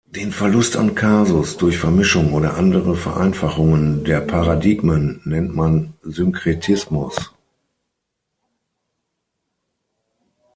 Den Verlust an Kasus durch Vermischung oder andere Vereinfachungen der Paradigmen nennt man Synkretismus.